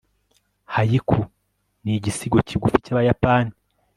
haiku nigisigo kigufi cyabayapani